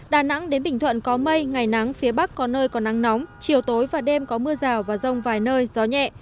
đà nẵng đến bình thuận có mây ngày nắng phía bắc có nơi có nắng nóng chiều tối và đêm có mưa rào và rông vài nơi gió nhẹ